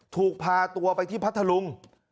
ถูกพาตัวไปที่พัทธลุง